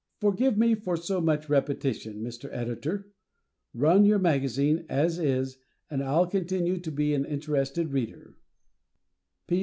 Forgive me for so much repetition, Mr. Editor; run your magazine "as is" and I'll continue to be an interested reader.